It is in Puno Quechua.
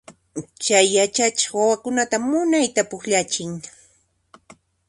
Chay yachachiq wawakunata munayta pukllachin.